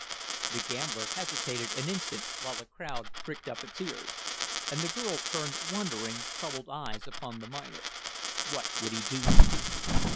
The gambler hesitated an instant while the crowd pricked up its ears, and the girl turned wondering, troubled eyes upon the miner. What would he do now?